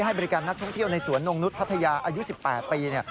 ให้บริการนักท่องเที่ยวในสวนนงนุษย์พัทยาอายุ๑๘ปี